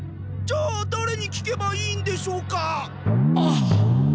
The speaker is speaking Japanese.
じゃあだれに聞けばいいんでしょうか？